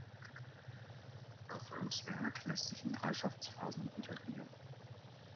Ralph Earls Werk lässt sich in drei Schaffensphasen untergliedern.